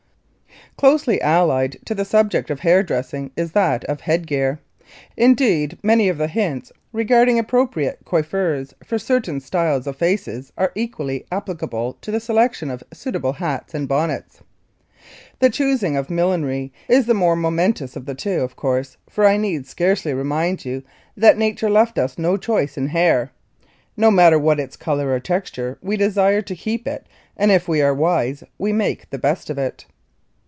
Closely allied to the subject of hair dressing is that of head gear. Indeed many of the hints regarding appropriate coiffures for certain styles of faces are equally applicable to the selection of suitable hats and bonnets. The choosing of millinery is the more momentous of the two, of course, for I need scarcely remind you that Nature left us no choice in hair. No matter what its color or texture we desire to keep it and if we are wise we will make the best of it.